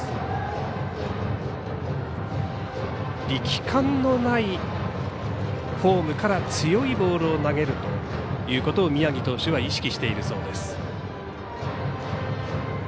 力感のないフォームから強いボールを投げるということを宮城投手は意識しているそうです。